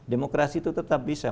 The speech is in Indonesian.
demokrasi itu tetap bisa